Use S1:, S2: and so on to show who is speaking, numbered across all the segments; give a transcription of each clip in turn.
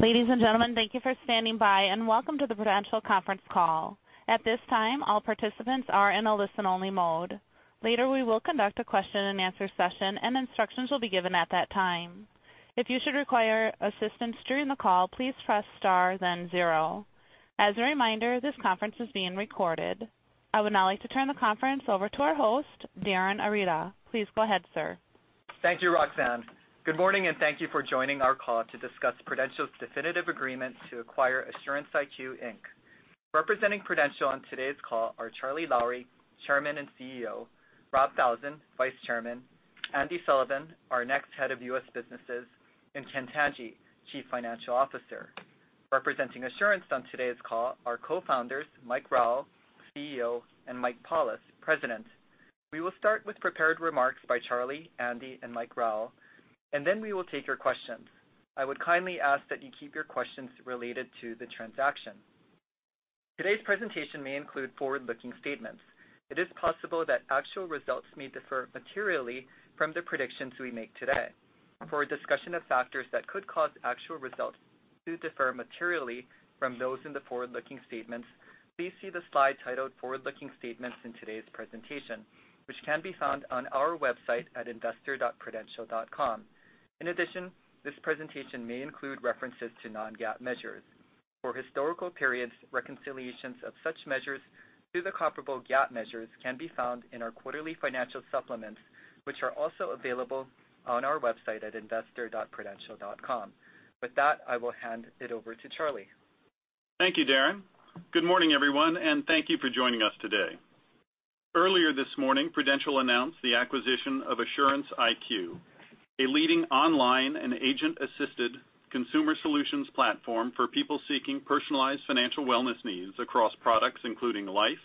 S1: Ladies and gentlemen, thank you for standing by, and welcome to the Prudential Conference Call. At this time, all participants are in a listen-only mode. Later, we will conduct a question and answer session, and instructions will be given at that time. If you should require assistance during the call, please press star then zero. As a reminder, this conference is being recorded. I would now like to turn the conference over to our host, Darren Arida. Please go ahead, sir.
S2: Thank you, Roxanne. Good morning, and thank you for joining our call to discuss Prudential's definitive agreement to acquire Assurance IQ, Inc. Representing Prudential on today's call are Charlie Lowrey, Chairman and CEO, Rob Falzon, Vice Chairman, Andy Sullivan, our next head of U.S. businesses, and Ken Tanji, Chief Financial Officer. Representing Assurance on today's call are co-founders Michael Rowell, CEO, and Michael Paulus, President. We will start with prepared remarks by Charlie, Andy, and Michael Rowell. Then we will take your questions. I would kindly ask that you keep your questions related to the transaction. Today's presentation may include forward-looking statements. It is possible that actual results may differ materially from the predictions we make today. For a discussion of factors that could cause actual results to differ materially from those in the forward-looking statements, please see the slide titled forward-looking statements in today's presentation, which can be found on our website at investor.prudential.com. In addition, this presentation may include references to non-GAAP measures. For historical periods, reconciliations of such measures to the comparable GAAP measures can be found in our quarterly financial supplements, which are also available on our website at investor.prudential.com. With that, I will hand it over to Charlie.
S3: Thank you, Darren. Good morning, everyone, and thank you for joining us today. Earlier this morning, Prudential announced the acquisition of Assurance IQ, a leading online and agent-assisted consumer solutions platform for people seeking personalized financial wellness needs across products including life,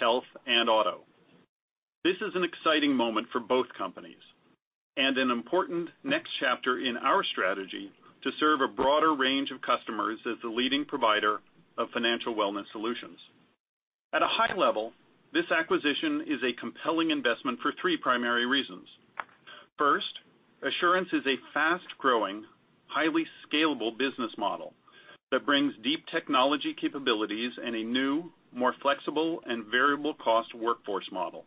S3: health, and auto. This is an exciting moment for both companies and an important next chapter in our strategy to serve a broader range of customers as the leading provider of financial wellness solutions. At a high level, this acquisition is a compelling investment for three primary reasons. First, Assurance is a fast-growing, highly scalable business model that brings deep technology capabilities and a new, more flexible and variable cost workforce model.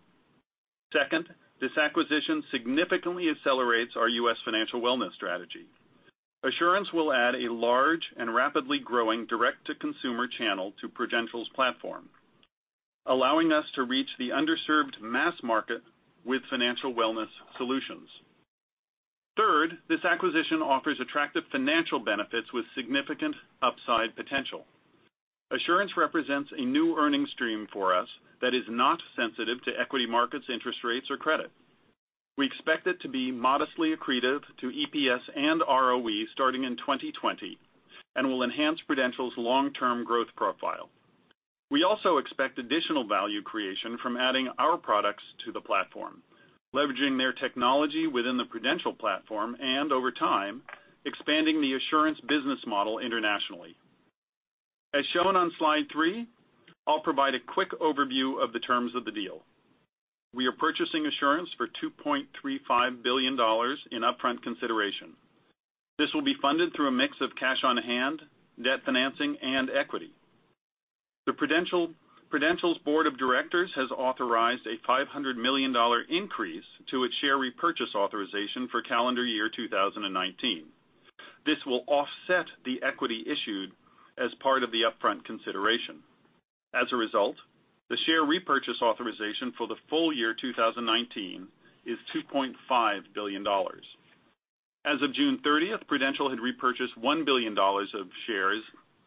S3: Second, this acquisition significantly accelerates our U.S. financial wellness strategy. Assurance will add a large and rapidly growing direct-to-consumer channel to Prudential's platform, allowing us to reach the underserved mass market with financial wellness solutions. Third, this acquisition offers attractive financial benefits with significant upside potential. Assurance represents a new earning stream for us that is not sensitive to equity markets, interest rates, or credit. We expect it to be modestly accretive to EPS and ROE starting in 2020 and will enhance Prudential's long-term growth profile. We also expect additional value creation from adding our products to the platform, leveraging their technology within the Prudential platform, and over time, expanding the Assurance business model internationally. As shown on slide three, I'll provide a quick overview of the terms of the deal. We are purchasing Assurance for $2.35 billion in upfront consideration. This will be funded through a mix of cash on hand, debt financing, and equity. Prudential's board of directors has authorized a $500 million increase to its share repurchase authorization for calendar year 2019. This will offset the equity issued as part of the upfront consideration. As a result, the share repurchase authorization for the full year 2019 is $2.5 billion. As of June 30th, Prudential had repurchased $1 billion of shares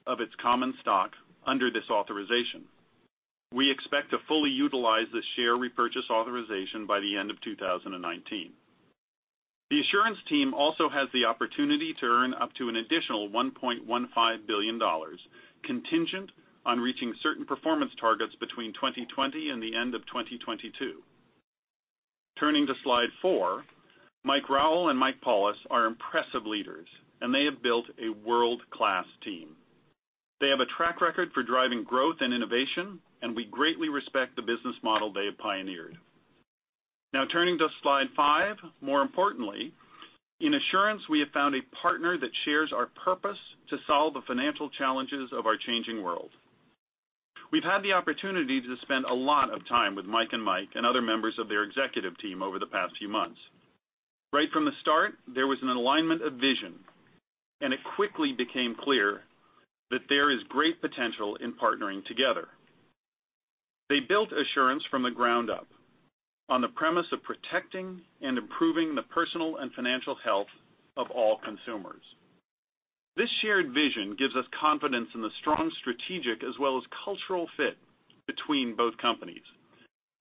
S3: of its common stock under this authorization. We expect to fully utilize the share repurchase authorization by the end of 2019. The Assurance team also has the opportunity to earn up to an additional $1.15 billion, contingent on reaching certain performance targets between 2020 and the end of 2022. Turning to slide four, Michael Rowell and Michael Paulus are impressive leaders, and they have built a world-class team. They have a track record for driving growth and innovation, and we greatly respect the business model they have pioneered. Now turning to slide five. More importantly, in Assurance we have found a partner that shares our purpose to solve the financial challenges of our changing world. We've had the opportunity to spend a lot of time with Mike and Mike and other members of their executive team over the past few months. Right from the start, there was an alignment of vision, it quickly became clear that there is great potential in partnering together. They built Assurance from the ground up on the premise of protecting and improving the personal and financial health of all consumers. This shared vision gives us confidence in the strong strategic as well as cultural fit between both companies,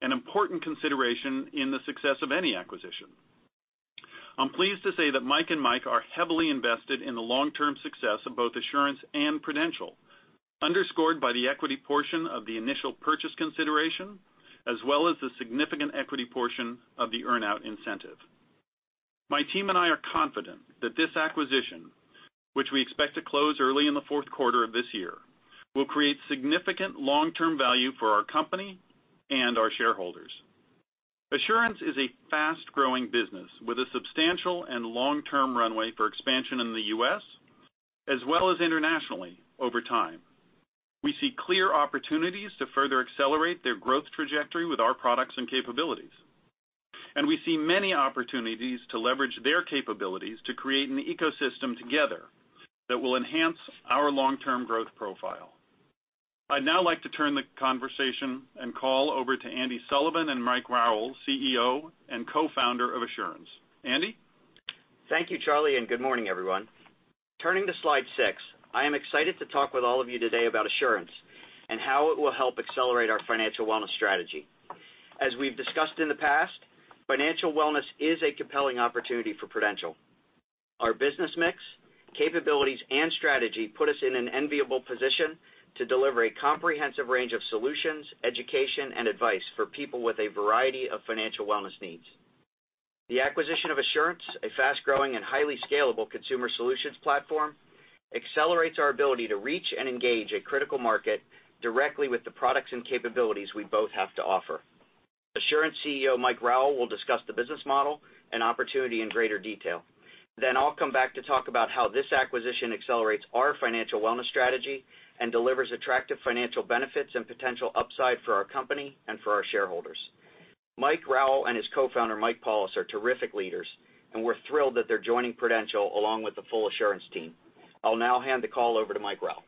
S3: an important consideration in the success of any acquisition. I'm pleased to say that Mike and Mike are heavily invested in the long-term success of both Assurance and Prudential, underscored by the equity portion of the initial purchase consideration as well as the significant equity portion of the earn-out incentive. My team and I are confident that this acquisition, which we expect to close early in the fourth quarter of this year, will create significant long-term value for our company and our shareholders. Assurance is a fast-growing business with a substantial and long-term runway for expansion in the U.S., as well as internationally over time. We see clear opportunities to further accelerate their growth trajectory with our products and capabilities, we see many opportunities to leverage their capabilities to create an ecosystem together that will enhance our long-term growth profile. I'd now like to turn the conversation and call over to Andy Sullivan and Michael Rowell, CEO and co-founder of Assurance. Andy?
S4: Thank you, Charlie, good morning, everyone. Turning to slide six. I am excited to talk with all of you today about Assurance and how it will help accelerate our financial wellness strategy. As we've discussed in the past, financial wellness is a compelling opportunity for Prudential. Our business mix, capabilities, and strategy put us in an enviable position to deliver a comprehensive range of solutions, education, and advice for people with a variety of financial wellness needs. The acquisition of Assurance, a fast-growing and highly scalable consumer solutions platform, accelerates our ability to reach and engage a critical market directly with the products and capabilities we both have to offer. Assurance CEO Mike Rowell will discuss the business model and opportunity in greater detail. I'll come back to talk about how this acquisition accelerates our financial wellness strategy and delivers attractive financial benefits and potential upside for our company and for our shareholders. Mike Rowell and his co-founder, Mike Paulus, are terrific leaders, and we're thrilled that they're joining Prudential along with the full Assurance team. I'll now hand the call over to Mike Rowell.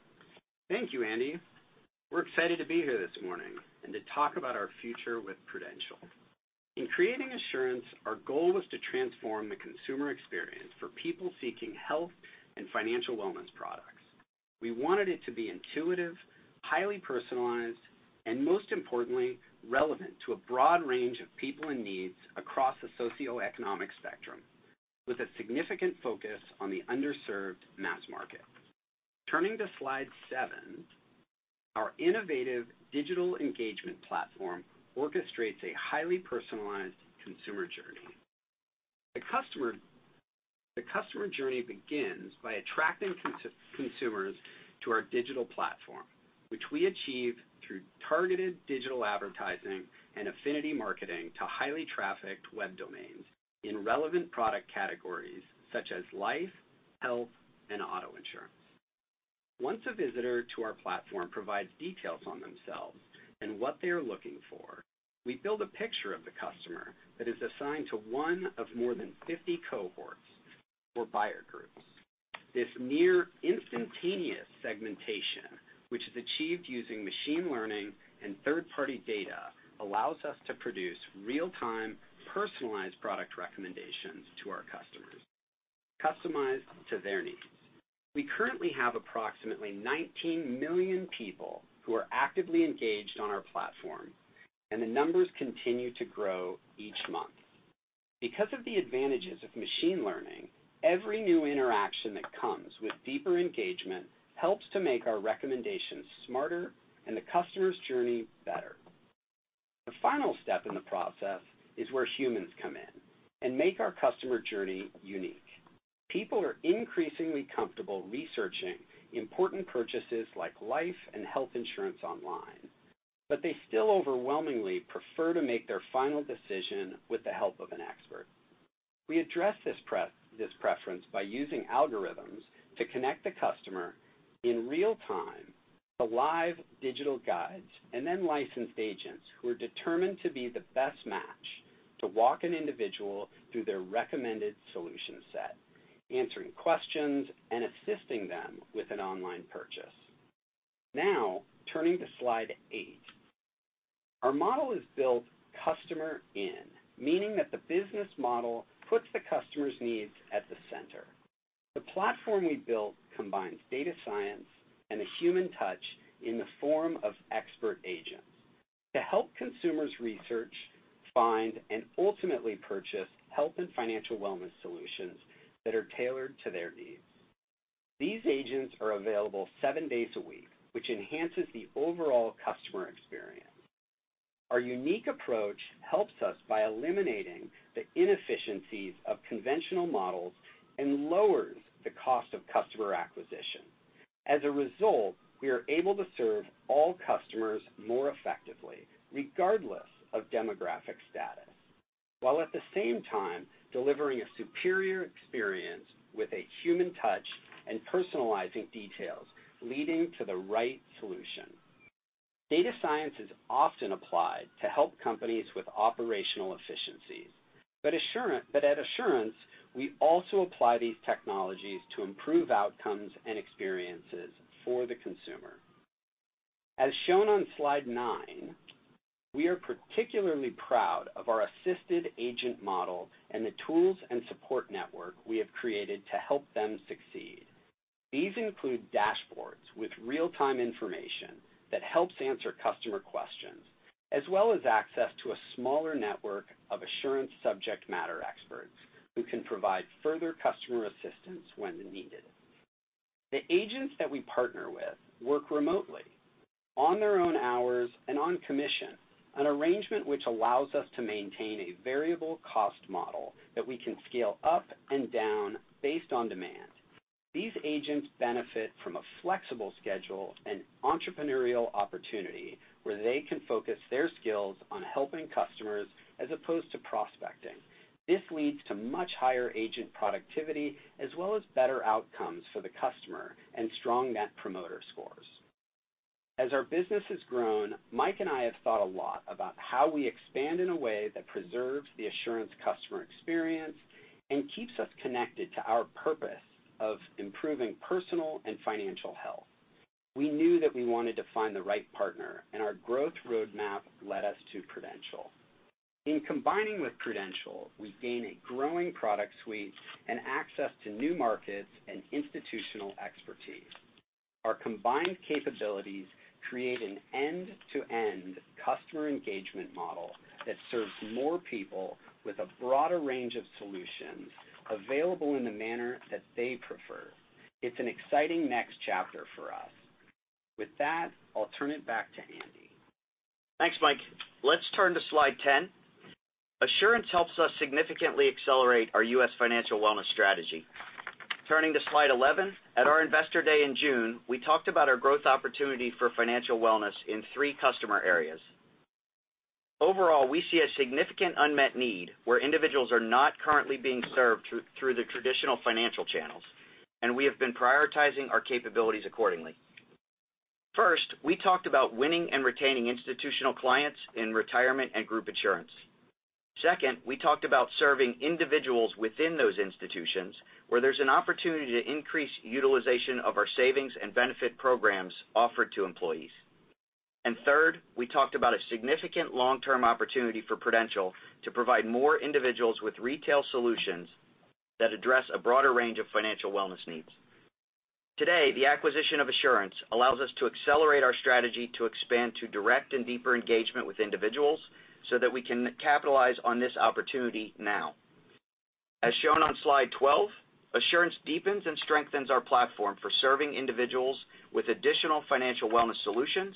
S5: Thank you, Andy. We're excited to be here this morning and to talk about our future with Prudential. In creating Assurance, our goal was to transform the consumer experience for people seeking health and financial wellness products. We wanted it to be intuitive, highly personalized, and most importantly, relevant to a broad range of people in needs across the socioeconomic spectrum, with a significant focus on the underserved mass market. Turning to slide seven. Our innovative digital engagement platform orchestrates a highly personalized consumer journey. The customer journey begins by attracting consumers to our digital platform, which we achieve through targeted digital advertising and affinity marketing to highly trafficked web domains in relevant product categories such as life, health, and auto insurance. Once a visitor to our platform provides details on themselves and what they are looking for, we build a picture of the customer that is assigned to one of more than 50 cohorts or buyer groups. This near instantaneous segmentation, which is achieved using machine learning and third-party data, allows us to produce real-time, personalized product recommendations to our customers, customized to their needs. We currently have approximately 19 million people who are actively engaged on our platform, and the numbers continue to grow each month. Because of the advantages of machine learning, every new interaction that comes with deeper engagement helps to make our recommendations smarter and the customer's journey better. The final step in the process is where humans come in and make our customer journey unique. People are increasingly comfortable researching important purchases like life and health insurance online, but they still overwhelmingly prefer to make their final decision with the help of an expert. We address this preference by using algorithms to connect the customer in real-time to live digital guides and then licensed agents who are determined to be the best match to walk an individual through their recommended solution set, answering questions and assisting them with an online purchase. Turning to slide eight. Our model is built customer in, meaning that the business model puts the customer's needs at the center. The platform we built combines data science and a human touch in the form of expert agents to help consumers research, find, and ultimately purchase health and financial wellness solutions that are tailored to their needs. These agents are available seven days a week, which enhances the overall customer experience. Our unique approach helps us by eliminating the inefficiencies of conventional models and lowers the cost of customer acquisition. We are able to serve all customers more effectively, regardless of demographic status, while at the same time delivering a superior experience with a human touch and personalizing details, leading to the right solution. Data science is often applied to help companies with operational efficiencies, but at Assurance, we also apply these technologies to improve outcomes and experiences for the consumer. Shown on slide nine, we are particularly proud of our assisted agent model and the tools and support network we have created to help them succeed. These include dashboards with real-time information that helps answer customer questions, as well as access to a smaller network of Assurance subject matter experts who can provide further customer assistance when needed. The agents that we partner with work remotely on their own hours and on commission, an arrangement which allows us to maintain a variable cost model that we can scale up and down based on demand. These agents benefit from a flexible schedule and entrepreneurial opportunity where they can focus their skills on helping customers as opposed to prospecting. This leads to much higher agent productivity as well as better outcomes for the customer and strong Net Promoter Score. Mike and I have thought a lot about how we expand in a way that preserves the Assurance customer experience and keeps us connected to our purpose of improving personal and financial health. We knew that we wanted to find the right partner, and our growth roadmap led us to Prudential. In combining with Prudential, we gain a growing product suite and access to new markets and institutional expertise. Our combined capabilities create an end-to-end customer engagement model that serves more people with a broader range of solutions available in the manner that they prefer. It's an exciting next chapter for us. With that, I'll turn it back to Andy.
S4: Thanks, Mike. Let's turn to slide 10. Assurance helps us significantly accelerate our U.S. financial wellness strategy. Turning to slide 11, at our Investor Day in June, we talked about our growth opportunity for financial wellness in three customer areas. Overall, we see a significant unmet need where individuals are not currently being served through the traditional financial channels. We have been prioritizing our capabilities accordingly. First, we talked about winning and retaining institutional clients in retirement and group insurance. Second, we talked about serving individuals within those institutions where there's an opportunity to increase utilization of our savings and benefit programs offered to employees. Third, we talked about a significant long-term opportunity for Prudential to provide more individuals with retail solutions that address a broader range of financial wellness needs. Today, the acquisition of Assurance allows us to accelerate our strategy to expand to direct and deeper engagement with individuals so that we can capitalize on this opportunity now. As shown on slide 12, Assurance deepens and strengthens our platform for serving individuals with additional financial wellness solutions.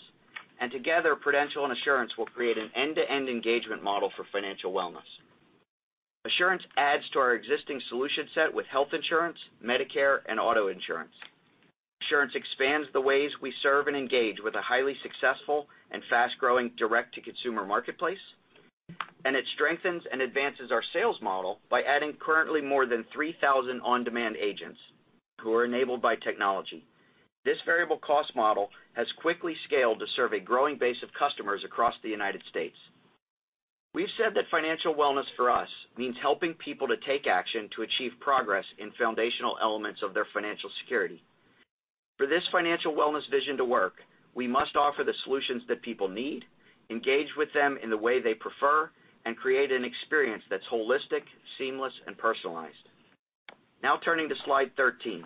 S4: Together, Prudential and Assurance will create an end-to-end engagement model for financial wellness. Assurance adds to our existing solution set with health insurance, Medicare, and auto insurance. Assurance expands the ways we serve and engage with a highly successful and fast-growing direct-to-consumer marketplace. It strengthens and advances our sales model by adding currently more than 3,000 on-demand agents who are enabled by technology. This variable cost model has quickly scaled to serve a growing base of customers across the United States. We've said that financial wellness for us means helping people to take action to achieve progress in foundational elements of their financial security. For this financial wellness vision to work, we must offer the solutions that people need, engage with them in the way they prefer, and create an experience that's holistic, seamless, and personalized. Now turning to slide 13.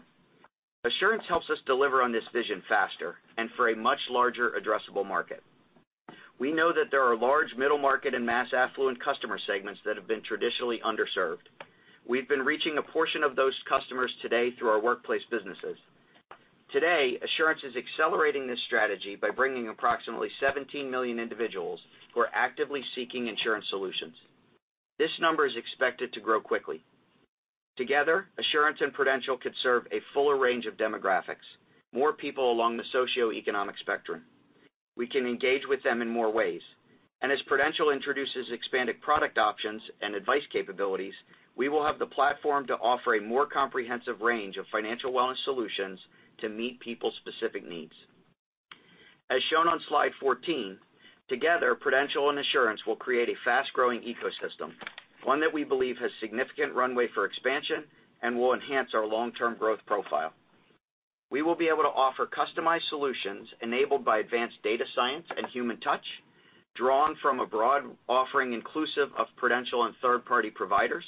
S4: Assurance helps us deliver on this vision faster and for a much larger addressable market. We know that there are large middle market and mass affluent customer segments that have been traditionally underserved. We've been reaching a portion of those customers today through our workplace businesses. Today, Assurance is accelerating this strategy by bringing approximately 17 million individuals who are actively seeking insurance solutions. This number is expected to grow quickly. Together, Assurance and Prudential could serve a fuller range of demographics, more people along the socioeconomic spectrum. We can engage with them in more ways. As Prudential introduces expanded product options and advice capabilities, we will have the platform to offer a more comprehensive range of financial wellness solutions to meet people's specific needs. As shown on slide 14, together, Prudential and Assurance will create a fast-growing ecosystem, one that we believe has significant runway for expansion and will enhance our long-term growth profile. We will be able to offer customized solutions enabled by advanced data science and human touch, drawn from a broad offering inclusive of Prudential and third-party providers,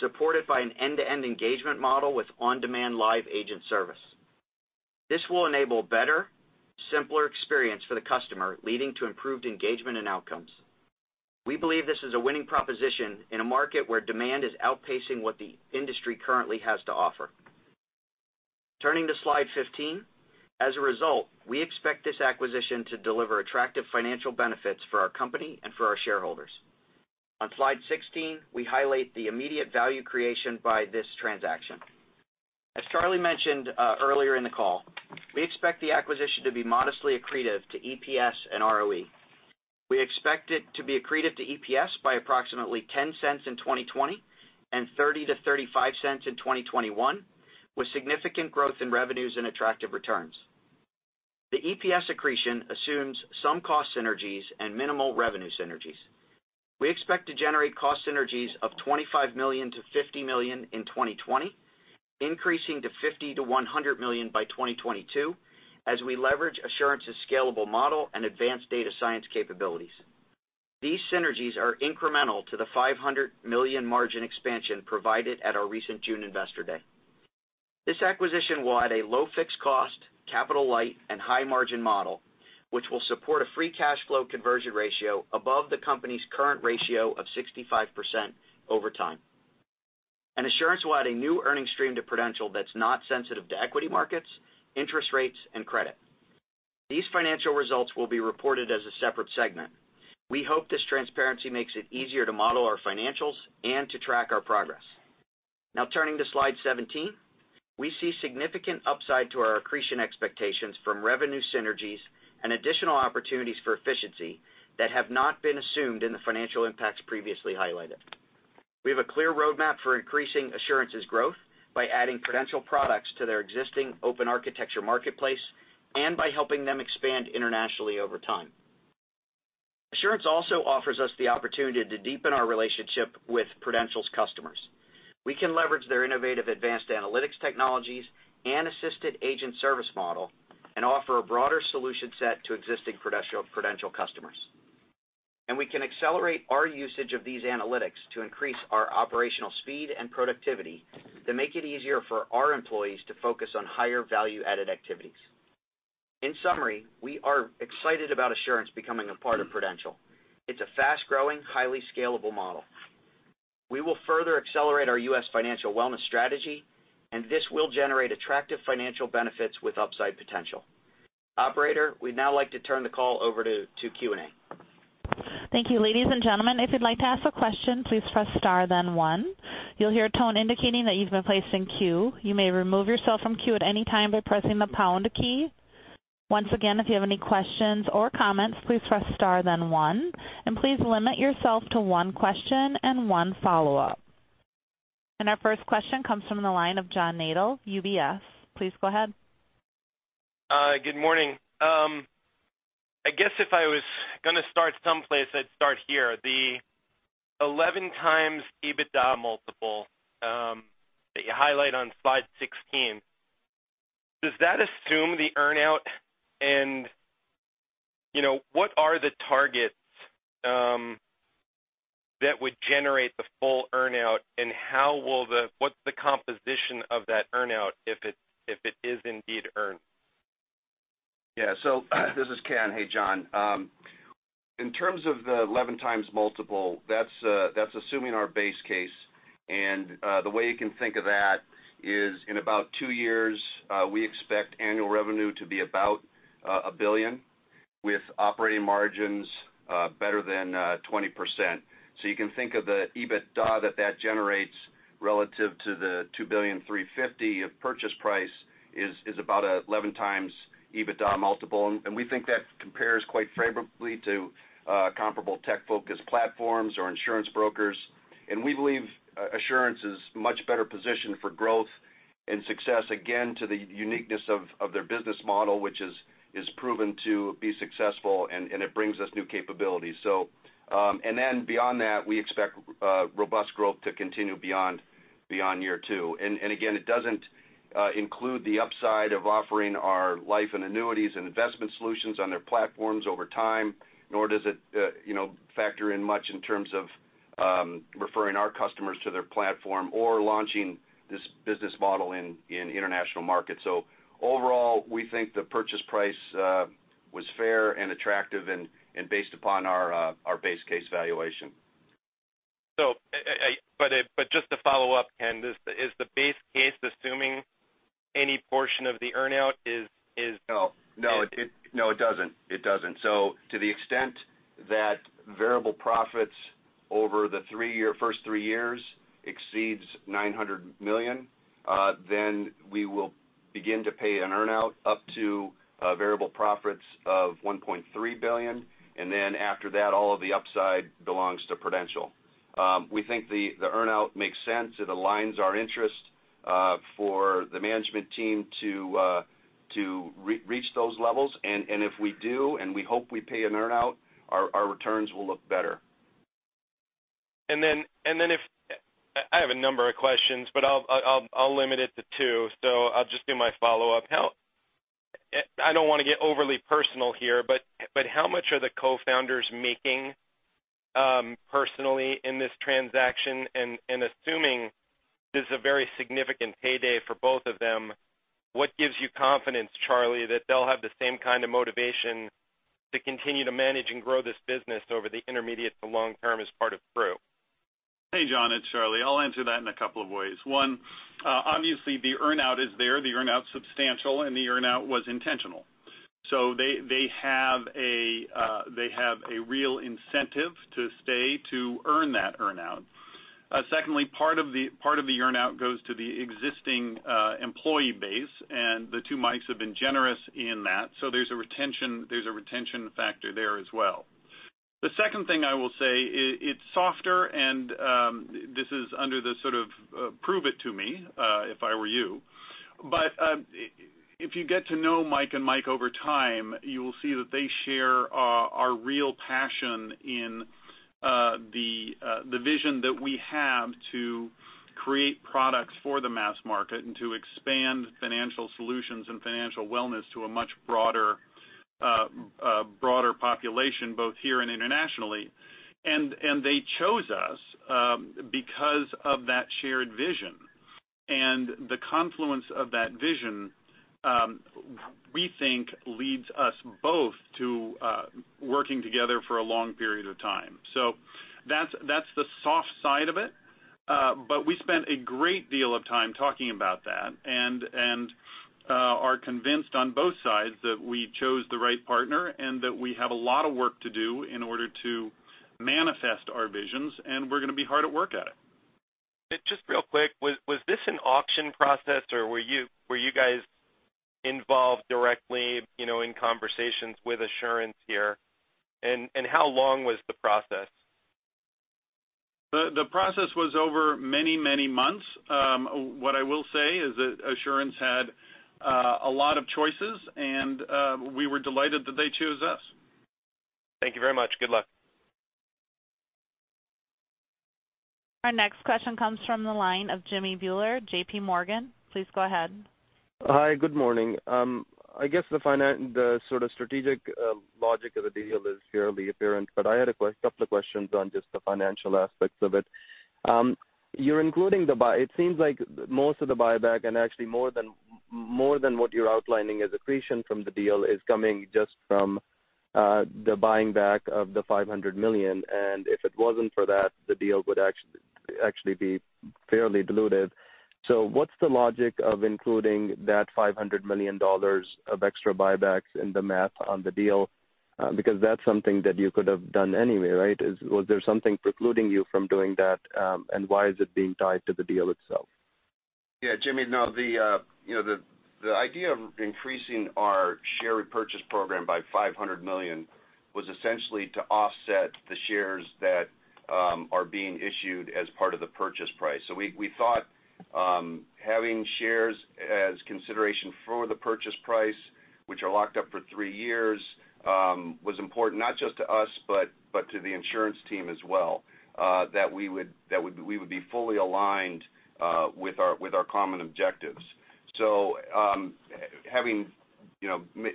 S4: supported by an end-to-end engagement model with on-demand live agent service. This will enable better, simpler experience for the customer, leading to improved engagement and outcomes. We believe this is a winning proposition in a market where demand is outpacing what the industry currently has to offer. Turning to slide 15. As a result, we expect this acquisition to deliver attractive financial benefits for our company and for our shareholders. On slide 16, we highlight the immediate value creation by this transaction. As Charlie mentioned earlier in the call, we expect the acquisition to be modestly accretive to EPS and ROE. We expect it to be accretive to EPS by approximately $0.10 in 2020 and $0.30-$0.35 in 2021, with significant growth in revenues and attractive returns. The EPS accretion assumes some cost synergies and minimal revenue synergies. We expect to generate cost synergies of $25 million-$50 million in 2020, increasing to $50 million-$100 million by 2022 as we leverage Assurance's scalable model and advanced data science capabilities. These synergies are incremental to the $500 million margin expansion provided at our recent June Investor Day. This acquisition will add a low fixed cost, capital light, and high margin model, which will support a free cash flow conversion ratio above the company's current ratio of 65% over time. Assurance will add a new earnings stream to Prudential that's not sensitive to equity markets, interest rates, and credit. These financial results will be reported as a separate segment. We hope this transparency makes it easier to model our financials and to track our progress. Now turning to slide 17. We see significant upside to our accretion expectations from revenue synergies and additional opportunities for efficiency that have not been assumed in the financial impacts previously highlighted. We have a clear roadmap for increasing Assurance's growth by adding Prudential products to their existing open architecture marketplace and by helping them expand internationally over time. Assurance also offers us the opportunity to deepen our relationship with Prudential's customers. We can leverage their innovative advanced analytics technologies and assisted agent service model and offer a broader solution set to existing Prudential customers. We can accelerate our usage of these analytics to increase our operational speed and productivity to make it easier for our employees to focus on higher value-added activities. In summary, we are excited about Assurance becoming a part of Prudential. It's a fast-growing, highly scalable model. We will further accelerate our U.S. financial wellness strategy, and this will generate attractive financial benefits with upside potential. Operator, we'd now like to turn the call over to Q&A.
S1: Thank you. Ladies and gentlemen, if you'd like to ask a question, please press star then one. You'll hear a tone indicating that you've been placed in queue. You may remove yourself from queue at any time by pressing the pound key. Once again, if you have any questions or comments, please press star then one, and please limit yourself to one question and one follow-up. Our first question comes from the line of John Nadel, UBS. Please go ahead.
S6: Good morning. I guess if I was going to start someplace, I'd start here. The 11x EBITDA multiple that you highlight on slide 16, does that assume the earn-out? What are the targets that would generate the full earn-out, and what's the composition of that earn-out if it is indeed earned?
S7: This is Ken. Hey, John. In terms of the 11x multiple, that's assuming our base case. The way you can think of that is in about two years, we expect annual revenue to be about $1 billion, with operating margins better than 20%. You can think of the EBITDA that that generates relative to the $2.35 billion purchase price is about 11x EBITDA multiple, and we think that compares quite favorably to comparable tech-focused platforms or insurance brokers. We believe Assurance is much better positioned for growth and success, again, to the uniqueness of their business model, which is proven to be successful, and it brings us new capabilities. Beyond that, we expect robust growth to continue beyond year two. Again, it doesn't include the upside of offering our life and annuities and investment solutions on their platforms over time, nor does it factor in much in terms of referring our customers to their platform or launching this business model in international markets. Overall, we think the purchase price was fair and attractive and based upon our base case valuation.
S6: But just to follow up, Ken, is the base case assuming any portion of the earn-out?
S7: No. No, it doesn't. To the extent that variable profits over the first three years exceeds $900 million, we will begin to pay an earn-out up to variable profits of $1.3 billion. After that, all of the upside belongs to Prudential. We think the earn-out makes sense. It aligns our interest for the management team to reach those levels. If we do, and we hope we pay an earn-out, our returns will look better.
S6: I have a number of questions, I'll limit it to two, I'll just do my follow-up. I don't want to get overly personal here, how much are the co-founders making personally in this transaction? Assuming this is a very significant payday for both of them, what gives you confidence, Charlie, that they'll have the same kind of motivation to continue to manage and grow this business over the intermediate to long term as part of Pru?
S3: Hey, John, it's Charlie. I'll answer that in a couple of ways. One, obviously, the earn-out is there, the earn-out's substantial, and the earn-out was intentional. They have a real incentive to stay to earn that earn-out. Secondly, part of the earn-out goes to the existing employee base, and the two Mikes have been generous in that. There's a retention factor there as well. The second thing I will say, it's softer and this is under the sort of prove it to me if I were you, but if you get to know Mike and Mike over time, you will see that they share our real passion in the vision that we have to create products for the mass market and to expand financial solutions and financial wellness to a much broader population, both here and internationally. They chose us because of that shared vision. The confluence of that vision, we think, leads us both to working together for a long period of time. That's the soft side of it. We spent a great deal of time talking about that, and are convinced on both sides that we chose the right partner and that we have a lot of work to do in order to manifest our visions, and we're going to be hard at work at it.
S6: Just real quick, was this an auction process or were you guys involved directly in conversations with Assurance here? How long was the process?
S3: The process was over many, many months. What I will say is that Assurance had a lot of choices, and we were delighted that they chose us.
S6: Thank you very much. Good luck.
S1: Our next question comes from the line of Jimmy Bhullar, J.P. Morgan. Please go ahead.
S8: Hi, good morning. I guess the sort of strategic logic of the deal is fairly apparent, I had a couple of questions on just the financial aspects of it. It seems like most of the buyback and actually more than what you're outlining as accretion from the deal is coming just from the buying back of the $500 million. If it wasn't for that, the deal would actually be fairly diluted. What's the logic of including that $500 million of extra buybacks in the math on the deal? Because that's something that you could have done anyway, right? Was there something precluding you from doing that? Why is it being tied to the deal itself?
S3: Yeah, Jimmy, no, the idea of increasing our share repurchase program by $500 million was essentially to offset the shares that are being issued as part of the purchase price. We thought having shares as consideration for the purchase price, which are locked up for 3 years, was important not just to us, but to the Assurance team as well, that we would be fully aligned with our common objectives.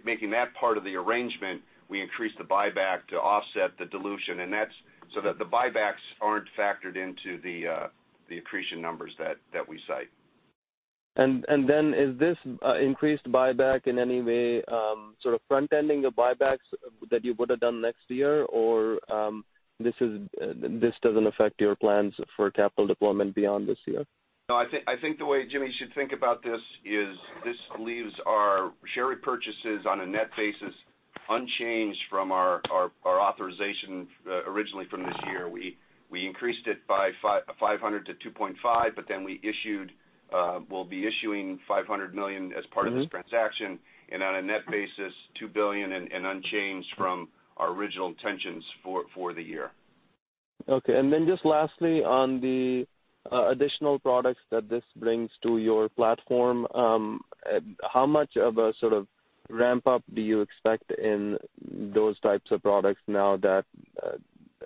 S3: Making that part of the arrangement, we increased the buyback to offset the dilution, that's so that the buybacks aren't factored into the accretion numbers that we cite.
S8: Is this increased buyback in any way sort of front-ending the buybacks that you would have done next year? This doesn't affect your plans for capital deployment beyond this year?
S7: I think the way Jimmy should think about this is this leaves our share repurchases on a net basis unchanged from our authorization originally from this year. We increased it by $500 to $2.5. We'll be issuing $500 million as part of this transaction, on a net basis, $2 billion and unchanged from our original intentions for the year.
S8: Just lastly on the additional products that this brings to your platform, how much of a sort of ramp-up do you expect in those types of products now that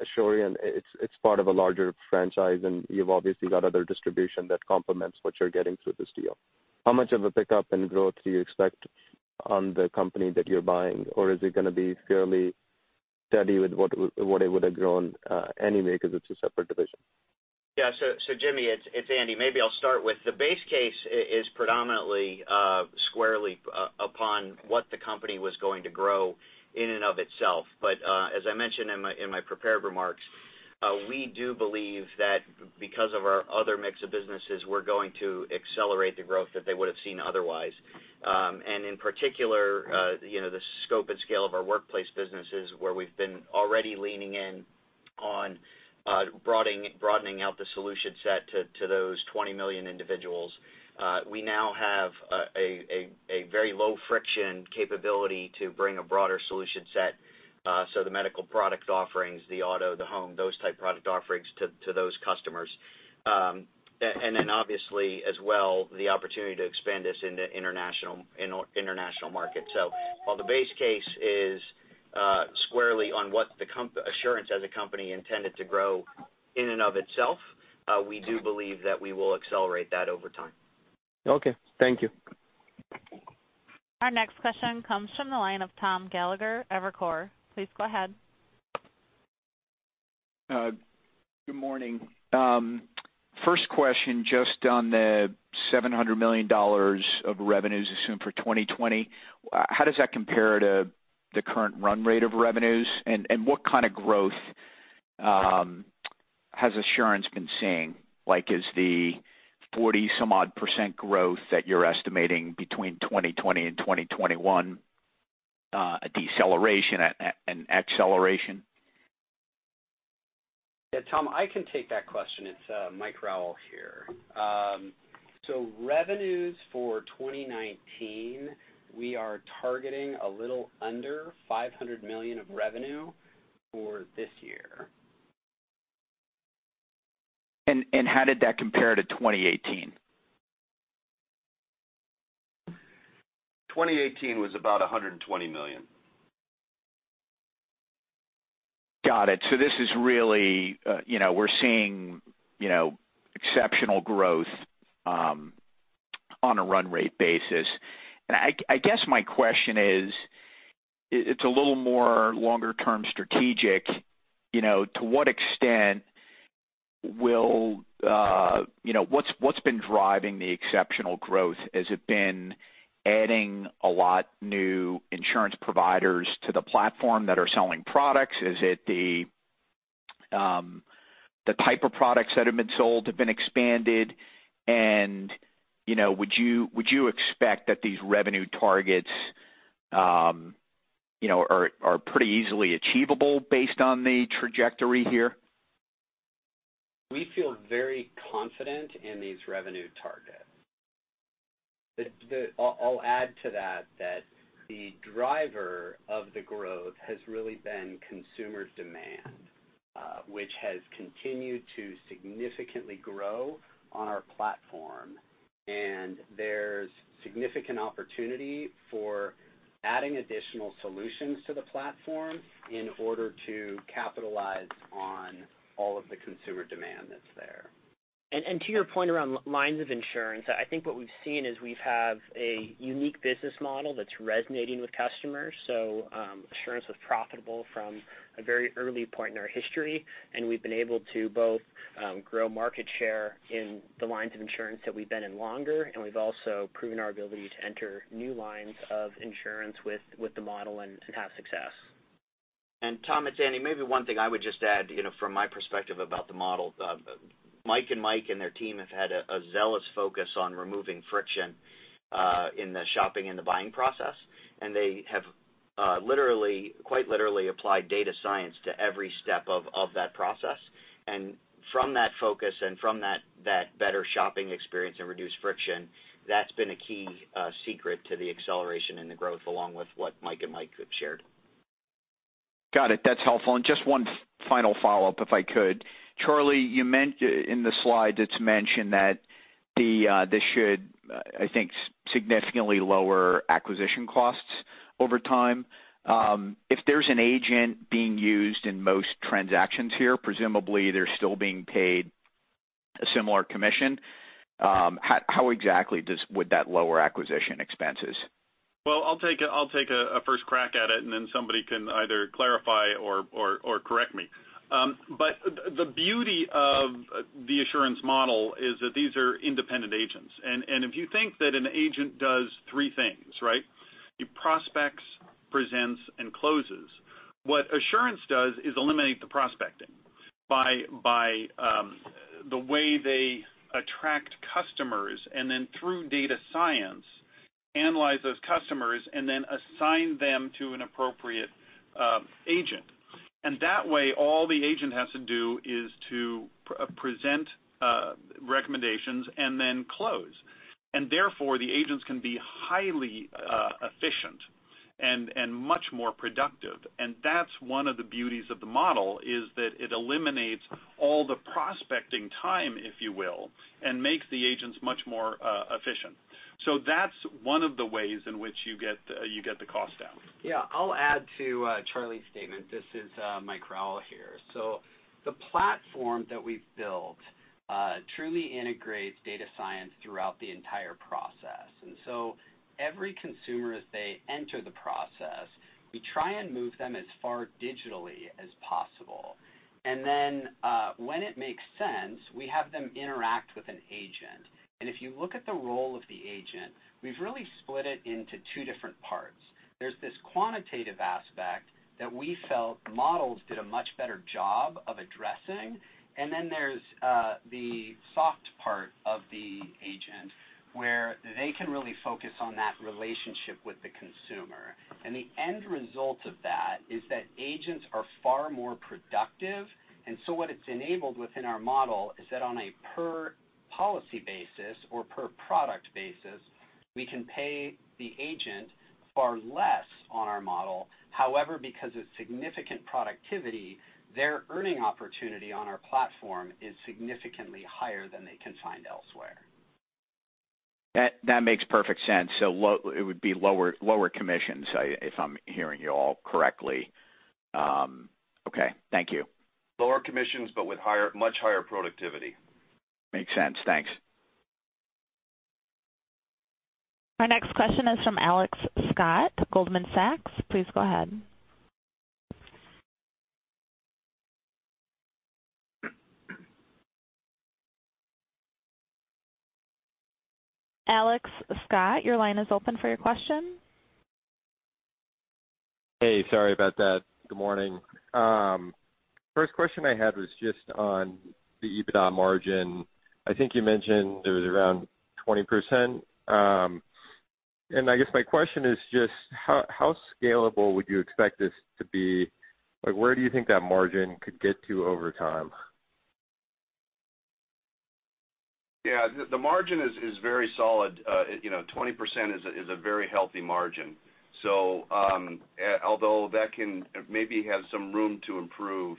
S8: Assurance, it's part of a larger franchise and you've obviously got other distribution that complements what you're getting through this deal? How much of a pickup in growth do you expect on the company that you're buying? Or is it going to be fairly steady with what it would have grown anyway because it's a separate division?
S4: Jimmy, it's Andy. Maybe I'll start with the base case is predominantly squarely upon what the company was going to grow in and of itself. As I mentioned in my prepared remarks, we do believe that because of our other mix of businesses, we're going to accelerate the growth that they would have seen otherwise. In particular, the scope and scale of our workplace businesses, where we've been already leaning in on broadening out the solution set to those 20 million individuals. We now have a very low friction capability to bring a broader solution set, so the medical product offerings, the auto, the home, those type product offerings to those customers. Obviously as well, the opportunity to expand this into international markets. While the base case is squarely on what Assurance as a company intended to grow in and of itself, we do believe that we will accelerate that over time.
S8: Okay. Thank you.
S1: Our next question comes from the line of Tom Gallagher, Evercore. Please go ahead.
S9: Good morning. First question, just on the $700 million of revenues assumed for 2020, how does that compare to the current run rate of revenues? What kind of growth has Assurance been seeing? Like, is the 40-some odd % growth that you're estimating between 2020 and 2021 a deceleration, an acceleration?
S5: Yeah, Tom, I can take that question. It's Mike Rowell here. Revenues for 2019, we are targeting a little under $500 million of revenue for this year.
S9: How did that compare to 2018?
S5: 2018 was about $120 million.
S9: Got it. This is really, we're seeing exceptional growth on a run rate basis. I guess my question is, it's a little more longer term strategic, what's been driving the exceptional growth? Has it been adding a lot new insurance providers to the platform that are selling products? Is it the type of products that have been sold have been expanded. Would you expect that these revenue targets are pretty easily achievable based on the trajectory here?
S5: We feel very confident in these revenue targets. I'll add to that the driver of the growth has really been consumer demand, which has continued to significantly grow on our platform. There's significant opportunity for adding additional solutions to the platform in order to capitalize on all of the consumer demand that's there.
S10: To your point around lines of insurance, I think what we've seen is we've had a unique business model that's resonating with customers. Assurance was profitable from a very early point in our history, and we've been able to both grow market share in the lines of insurance that we've been in longer, and we've also proven our ability to enter new lines of insurance with the model and have success.
S4: Tom, it's Andy. Maybe one thing I would just add from my perspective about the model. Mike and Mike and their team have had a zealous focus on removing friction in the shopping and the buying process. They have quite literally applied data science to every step of that process. From that focus and from that better shopping experience and reduced friction, that's been a key secret to the acceleration and the growth along with what Mike and Mike have shared.
S9: Got it. That's helpful. Just one final follow-up, if I could. Charlie, you mentioned in the slide, it's mentioned that this should, I think, significantly lower acquisition costs over time. If there's an agent being used in most transactions here, presumably they're still being paid a similar commission. How exactly would that lower acquisition expenses?
S3: Well, I'll take a first crack at it, and then somebody can either clarify or correct me. The beauty of the Assurance model is that these are independent agents. If you think that an agent does three things, right? He prospects, presents, and closes. What Assurance does is eliminate the prospecting by the way they attract customers, and then through data science, analyze those customers and then assign them to an appropriate agent. That way, all the agent has to do is to present recommendations and then close. Therefore, the agents can be highly efficient and much more productive. That's one of the beauties of the model, is that it eliminates all the prospecting time, if you will, and makes the agents much more efficient. That's one of the ways in which you get the cost down.
S5: Yeah. I'll add to Charlie's statement. This is Mike Rowell here. The platform that we've built truly integrates data science throughout the entire process. Every consumer, as they enter the process, we try and move them as far digitally as possible. Then, when it makes sense, we have them interact with an agent. If you look at the role of the agent, we've really split it into two different parts. There's this quantitative aspect that we felt models did a much better job of addressing. Then there's the soft part of the agent where they can really focus on that relationship with the consumer. The end result of that is that agents are far more productive. What it's enabled within our model is that on a per policy basis or per product basis, we can pay the agent far less on our model. However, because of significant productivity, their earning opportunity on our platform is significantly higher than they can find elsewhere.
S9: That makes perfect sense. It would be lower commissions, if I'm hearing you all correctly. Okay. Thank you.
S3: Lower commissions, but with much higher productivity.
S9: Makes sense. Thanks.
S1: Our next question is from Alex Scott, Goldman Sachs. Please go ahead. Alex Scott, your line is open for your question.
S11: Hey, sorry about that. Good morning. First question I had was just on the EBITDA margin. I think you mentioned it was around 20%. I guess my question is just how scalable would you expect this to be? Where do you think that margin could get to over time?
S3: Yeah. The margin is very solid. 20% is a very healthy margin. Although that can maybe have some room to improve,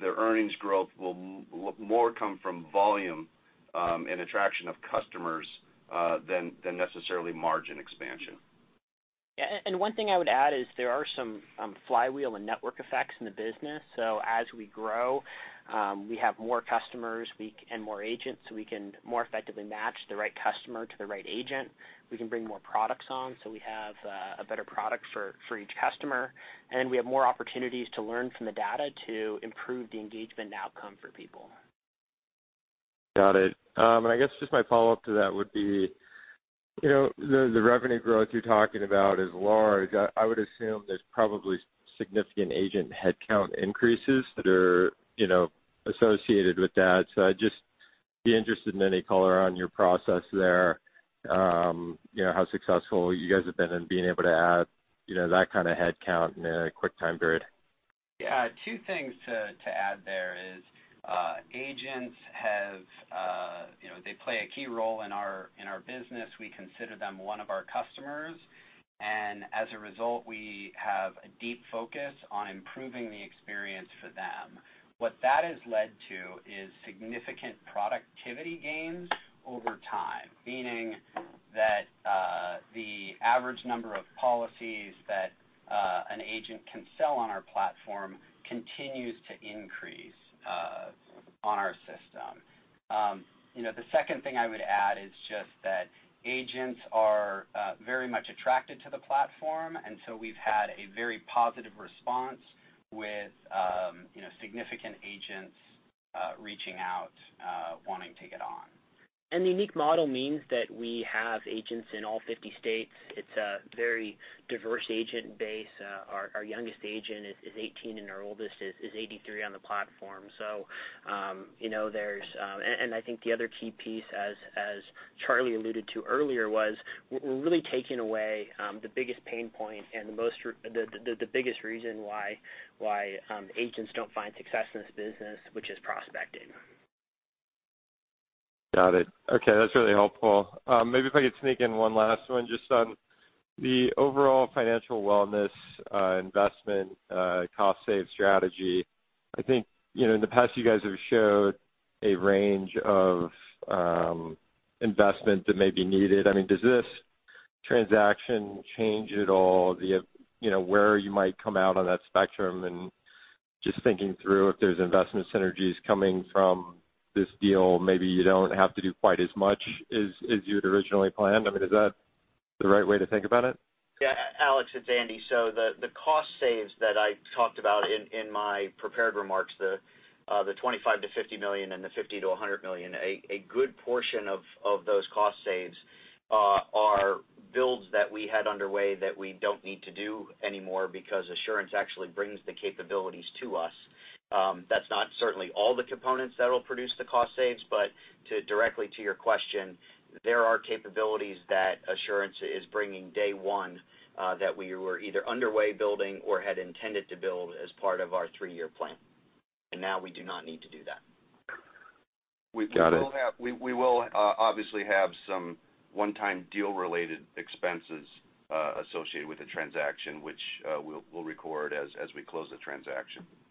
S3: their earnings growth will more come from volume and attraction of customers than necessarily margin expansion.
S10: Yeah. One thing I would add is there are some flywheel and network effects in the business. As we grow, we have more customers and more agents, so we can more effectively match the right customer to the right agent. We can bring more products on, so we have a better product for each customer. We have more opportunities to learn from the data to improve the engagement outcome for people.
S11: Got it. I guess just my follow-up to that would be, the revenue growth you're talking about is large. I would assume there's probably significant agent headcount increases that are associated with that. I'd just be interested in any color on your process there. How successful you guys have been in being able to add that kind of headcount in a quick time period.
S4: Yeah. Two things to add there is, agents play a key role in our business. We consider them one of our customers. As a result, we have a deep focus on improving the experience for them. What that has led to is significant productivity gains over time, meaning that the average number of policies that an agent can sell on our platform continues to increase on our system. The second thing I would add is just that agents are very much attracted to the platform, we've had a very positive response with significant agents reaching out, wanting to get on.
S10: The unique model means that we have agents in all 50 states. It's a very diverse agent base. Our youngest agent is 18, and our oldest is 83 on the platform. I think the other key piece, as Charlie alluded to earlier, was we're really taking away the biggest pain point and the biggest reason why agents don't find success in this business, which is prospecting.
S11: Got it. Okay, that's really helpful. Maybe if I could sneak in one last one just on the overall financial wellness investment cost save strategy. I think, in the past, you guys have showed a range of investment that may be needed. I mean, does this transaction change at all where you might come out on that spectrum? Just thinking through if there's investment synergies coming from this deal, maybe you don't have to do quite as much as you had originally planned. I mean, is that the right way to think about it?
S4: Yeah, Alex, it's Andy. The cost saves that I talked about in my prepared remarks, the $25 million-$50 million and the $50 million-$100 million, a good portion of those cost saves are builds that we had underway that we don't need to do anymore because Assurance actually brings the capabilities to us. That's not certainly all the components that'll produce the cost saves, but directly to your question, there are capabilities that Assurance is bringing day one that we were either underway building or had intended to build as part of our three-year plan. Now we do not need to do that.
S11: Got it.
S3: We will obviously have some one-time deal related expenses associated with the transaction, which we'll record as we close the transaction.
S11: Okay.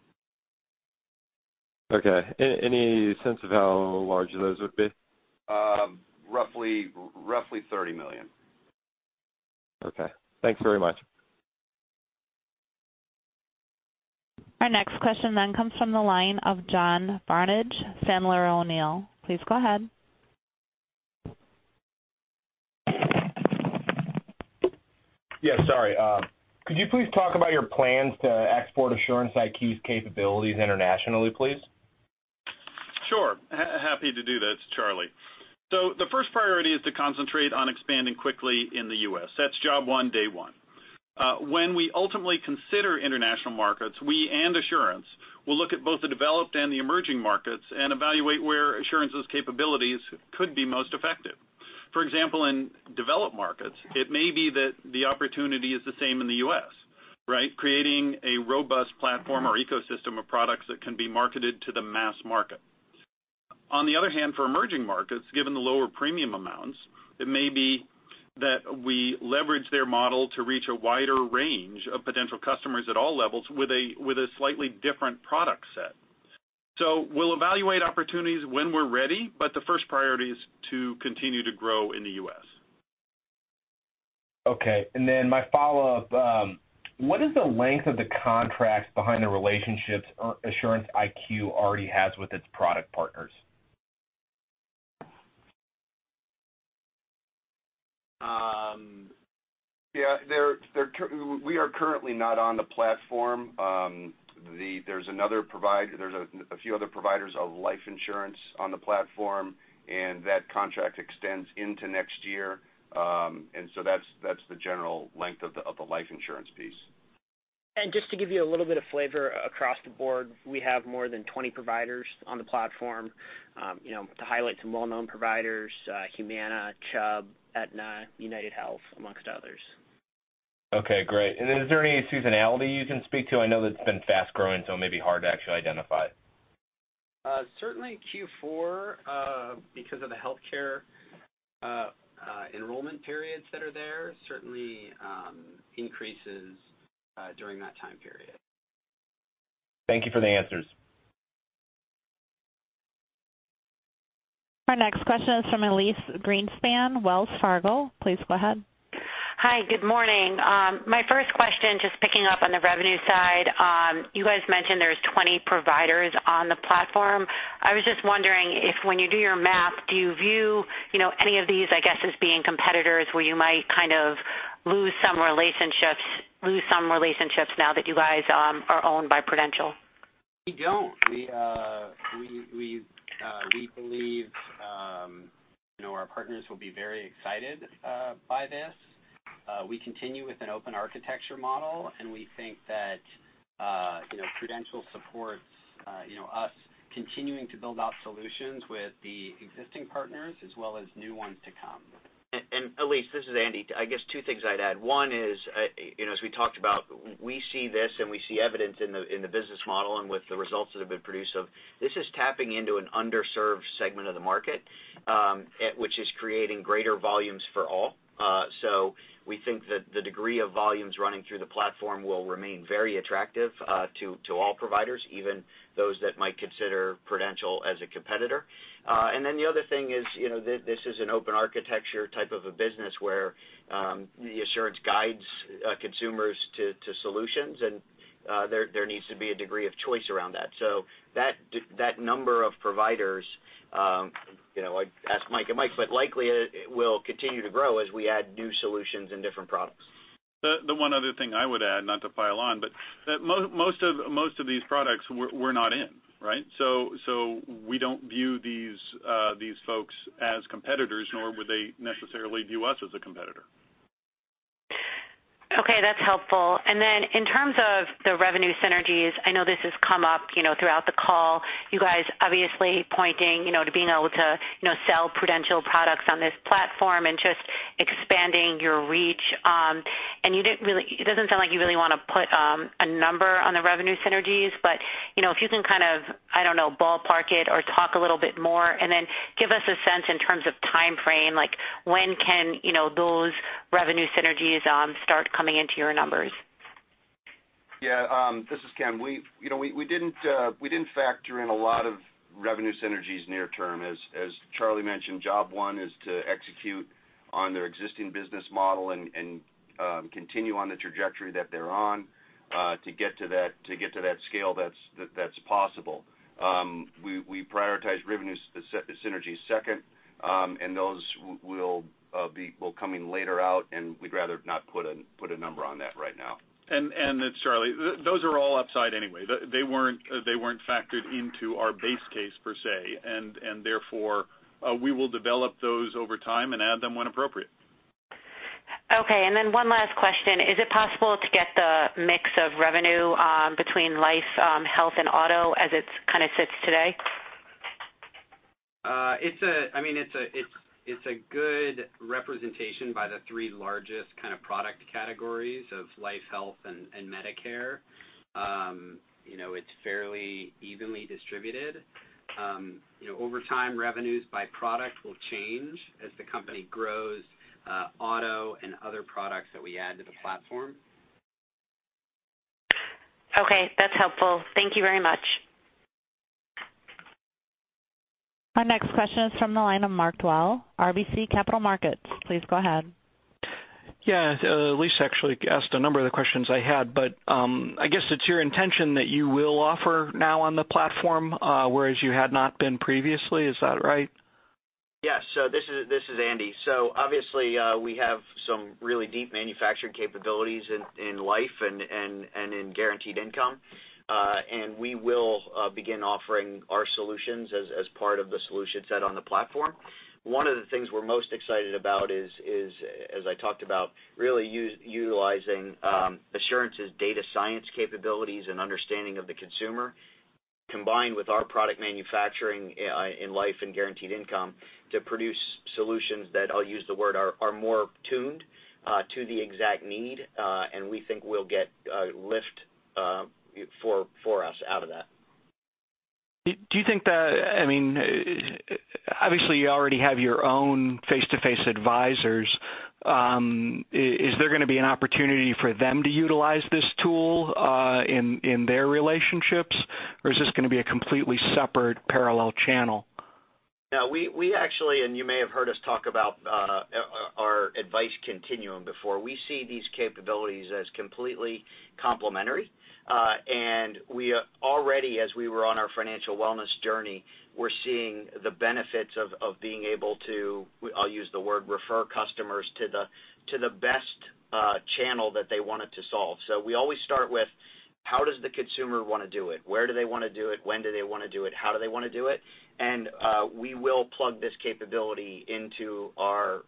S11: Any sense of how large those would be?
S3: Roughly $30 million.
S11: Okay. Thanks very much.
S1: Our next question comes from the line of John Barnidge, Sandler O'Neill. Please go ahead.
S12: Yeah, sorry. Could you please talk about your plans to export Assurance IQ's capabilities internationally, please?
S3: Sure. Happy to do that. It's Charlie. The first priority is to concentrate on expanding quickly in the U.S. That's job one, day one. When we ultimately consider international markets, we and Assurance will look at both the developed and the emerging markets and evaluate where Assurance's capabilities could be most effective. For example, in developed markets, it may be that the opportunity is the same in the U.S., right? Creating a robust platform or ecosystem of products that can be marketed to the mass market. On the other hand, for emerging markets, given the lower premium amounts, it may be that we leverage their model to reach a wider range of potential customers at all levels with a slightly different product set. We'll evaluate opportunities when we're ready, but the first priority is to continue to grow in the U.S.
S12: Okay, my follow-up, what is the length of the contracts behind the relationships Assurance IQ already has with its product partners?
S3: Yeah. We are currently not on the platform. There's a few other providers of life insurance on the platform. That contract extends into next year. That's the general length of the life insurance piece.
S10: Just to give you a little bit of flavor across the board, we have more than 20 providers on the platform. To highlight some well-known providers, Humana, Chubb, Aetna, UnitedHealth, amongst others.
S12: Okay, great. Is there any seasonality you can speak to? I know that it's been fast-growing, it may be hard to actually identify.
S4: Certainly Q4, because of the healthcare enrollment periods that are there, certainly increases during that time period.
S12: Thank you for the answers.
S1: Our next question is from Elyse Greenspan, Wells Fargo. Please go ahead.
S13: Hi, good morning. My first question, just picking up on the revenue side. You guys mentioned there's 20 providers on the platform. I was just wondering if when you do your. Do you view any of these, I guess, as being competitors where you might kind of lose some relationships now that you guys are owned by Prudential?
S5: We don't. We believe our partners will be very excited by this. We continue with an open architecture model, and we think that Prudential supports us continuing to build out solutions with the existing partners as well as new ones to come.
S4: Elyse, this is Andy. I guess two things I'd add. One is, as we talked about, we see this and we see evidence in the business model and with the results that have been produced of this is tapping into an underserved segment of the market, which is creating greater volumes for all. We think that the degree of volumes running through the platform will remain very attractive to all providers, even those that might consider Prudential as a competitor. The other thing is this is an open architecture type of a business where Assurance guides consumers to solutions, and there needs to be a degree of choice around that. That number of providers, ask Mike and Mike, but likely will continue to grow as we add new solutions and different products.
S3: The one other thing I would add, not to pile on, but that most of these products we're not in, right? We don't view these folks as competitors, nor would they necessarily view us as a competitor.
S13: Okay, that's helpful. In terms of the revenue synergies, I know this has come up throughout the call. You guys obviously pointing to being able to sell Prudential products on this platform and just expanding your reach. It doesn't sound like you really want to put a number on the revenue synergies, but if you can kind of, I don't know, ballpark it or talk a little bit more, then give us a sense in terms of timeframe, like when can those revenue synergies start coming into your numbers?
S7: Yeah. This is Ken. We didn't factor in a lot of revenue synergies near term. As Charlie mentioned, job 1 is to execute on their existing business model and continue on the trajectory that they're on to get to that scale that's possible. We prioritize revenue synergies second. Those will come in later out. We'd rather not put a number on that right now.
S3: It's Charlie. Those are all outside anyway. They weren't factored into our base case per se. Therefore, we will develop those over time and add them when appropriate.
S13: Okay, one last question. Is it possible to get the mix of revenue between life, health, and auto as it kind of sits today?
S5: It's a good representation by the three largest kind of product categories of life, health, and Medicare. It's fairly evenly distributed. Over time, revenues by product will change as the company grows auto and other products that we add to the platform.
S13: Okay, that's helpful. Thank you very much.
S1: Our next question is from the line of Mark Dwelle, RBC Capital Markets. Please go ahead.
S14: Yeah. Elyse actually asked a number of the questions I had. I guess it's your intention that you will offer now on the platform, whereas you had not been previously. Is that right?
S4: Yes. This is Andy. Obviously, we have some really deep manufacturing capabilities in life and in guaranteed income. We will begin offering our solutions as part of the solution set on the platform. One of the things we're most excited about is, as I talked about, really utilizing Assurance's data science capabilities and understanding of the consumer, combined with our product manufacturing in life and guaranteed income to produce solutions that, I'll use the word, are more tuned to the exact need. We think we'll get lift for us out of that.
S14: Obviously, you already have your own face-to-face advisors. Is there going to be an opportunity for them to utilize this tool in their relationships, or is this going to be a completely separate parallel channel?
S4: No. We actually, you may have heard us talk about our advice continuum before. We see these capabilities as completely complementary. We already, as we were on our financial wellness journey, we're seeing the benefits of being able to, I'll use the word, refer customers to the best channel that they want it to solve. We always start with how does the consumer want to do it? Where do they want to do it? When do they want to do it? How do they want to do it? We will plug this capability into our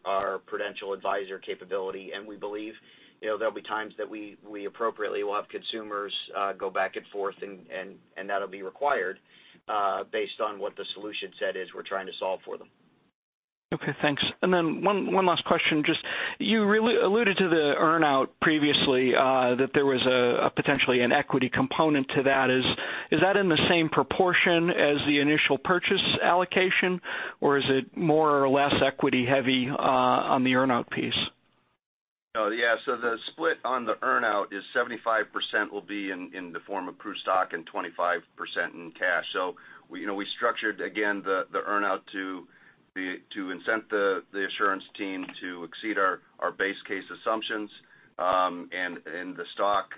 S4: Prudential advisor capability, and we believe there'll be times that we appropriately will have consumers go back and forth, and that'll be required based on what the solution set is we're trying to solve for them.
S14: Okay, thanks. One last question. You alluded to the earn-out previously, that there was a potentially an equity component to that. Is that in the same proportion as the initial purchase allocation, or is it more or less equity heavy on the earn-out piece?
S7: Yeah. The split on the earn-out is 75% will be in the form of Pru's stock and 25% in cash. We structured, again, the earn-out to incent the Assurance team to exceed our base case assumptions. The stock,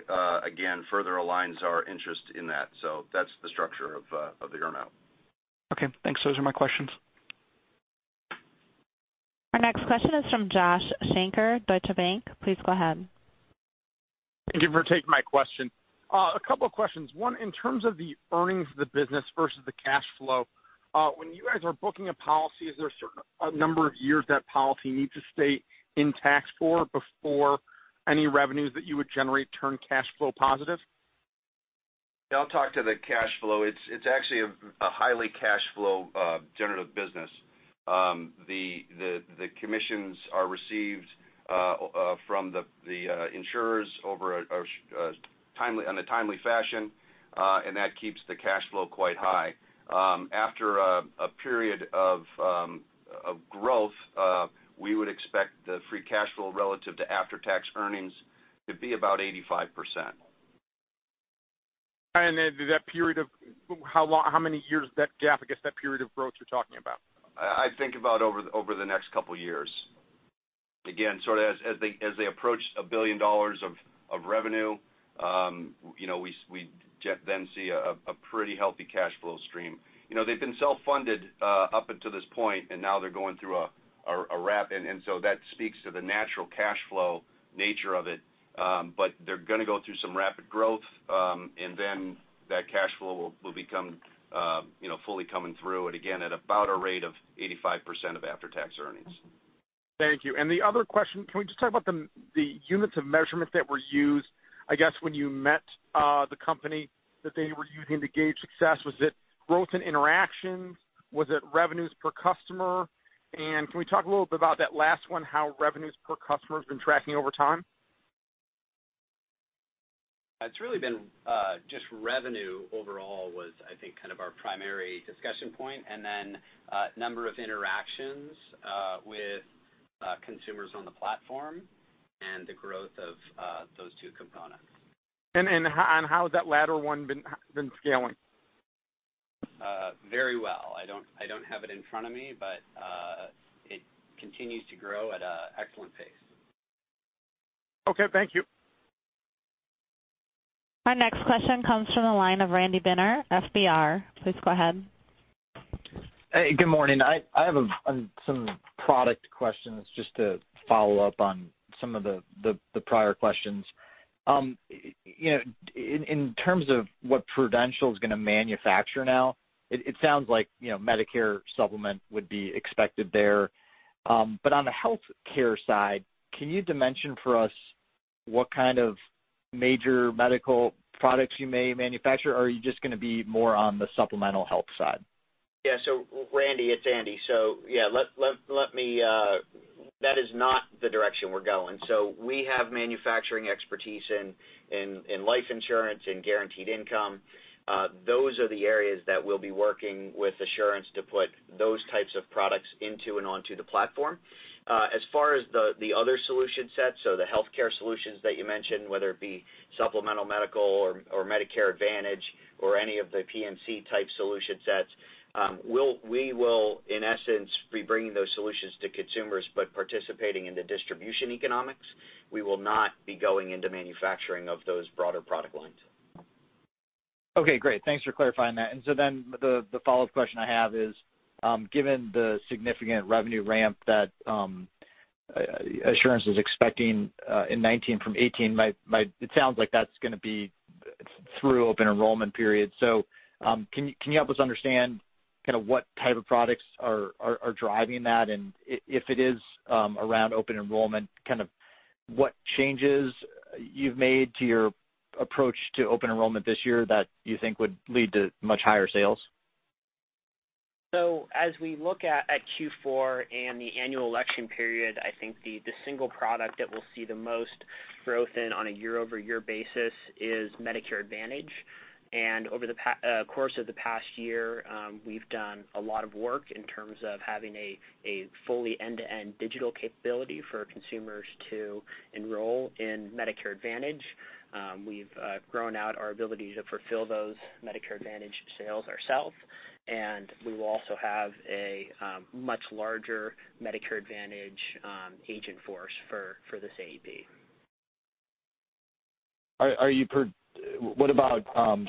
S7: again, further aligns our interest in that. That's the structure of the earn-out.
S14: Okay, thanks. Those are my questions.
S1: Our next question is from Joshua Shanker, Deutsche Bank. Please go ahead.
S15: Thank you for taking my question. A couple of questions. One, in terms of the earnings of the business versus the cash flow, when you guys are booking a policy, is there a certain number of years that policy needs to stay in force for before any revenues that you would generate turn cash flow positive?
S7: I'll talk to the cash flow. It's actually a highly cash flow generative business. The commissions are received from the insurers in a timely fashion, That keeps the cash flow quite high. After a period of growth, we would expect the free cash flow relative to after-tax earnings to be about 85%.
S15: That period of how many years is that gap, I guess, that period of growth you're talking about?
S7: I think about over the next couple of years. Sort of as they approach $1 billion of revenue, we then see a pretty healthy cash flow stream. They've been self-funded up until this point. Now they're going through a wrap, that speaks to the natural cash flow nature of it. They're going to go through some rapid growth, that cash flow will become fully coming through and again, at about a rate of 85% of after-tax earnings.
S15: Thank you. The other question, can we just talk about the units of measurement that were used, I guess, when you met the company that they were using to gauge success? Was it growth in interactions? Was it revenues per customer? Can we talk a little bit about that last one, how revenues per customer has been tracking over time?
S4: It's really been just revenue overall was, I think, kind of our primary discussion point. Number of interactions with consumers on the platform and the growth of those two components.
S15: How has that latter one been scaling?
S4: Very well. I don't have it in front of me, but it continues to grow at an excellent pace.
S15: Okay. Thank you.
S1: Our next question comes from the line of Randy Binner, FBR. Please go ahead.
S16: Hey, good morning. I have some product questions just to follow up on some of the prior questions. In terms of what Prudential is going to manufacture now, it sounds like Medicare Supplement would be expected there. On the healthcare side, can you dimension for us what kind of major medical products you may manufacture? Are you just going to be more on the supplemental health side?
S4: Yeah. Randy, it's Andy. Yeah, that is not the direction we're going. We have manufacturing expertise in life insurance and guaranteed income. Those arthe areas that we'll be working with Assurance to put those types of products into and onto the platform. As far as the other solution sets, the healthcare solutions that you mentioned, whether it be supplemental medical or Medicare Advantage or any of the PMC type solution sets, we will, in essence, be bringing those solutions to consumers. Participating in the distribution economics, we will not be going into manufacturing of those broader product lines.
S16: Okay, great. Thanks for clarifying that. The follow-up question I have is, given the significant revenue ramp that Assurity is expecting in 2019 from 2018, it sounds like that's going to be through open enrollment period. Can you help us understand kind of what type of products are driving that, and if it is around open enrollment, kind of what changes you've made to your approach to open enrollment this year that you think would lead to much higher sales?
S10: As we look at Q4 and the annual election period, I think the single product that we'll see the most growth in on a year-over-year basis is Medicare Advantage. Over the course of the past year, we've done a lot of work in terms of having a fully end-to-end digital capability for consumers to enroll in Medicare Advantage. We've grown out our ability to fulfill those Medicare Advantage sales ourselves, and we will also have a much larger Medicare Advantage agent force for this AP.
S16: What about